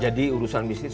jadi apa yang kamu inginkan